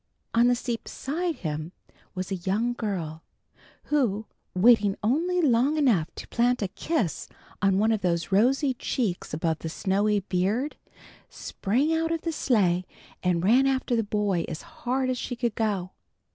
On the seat beside him was a young girl, who, waiting only long enough to plant a kiss on one of those rosy cheeks above the snowy beard, sprang out of the sleigh and ran after the boy as hard as she could go.